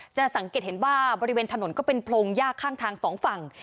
จะสังเกตเห็นว่าบริเวณถนนก็เป็นโพรงยากข้างทางสองฝั่ง